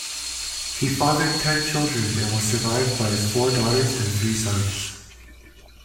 He fathered ten children and was survived by four daughters and three sons.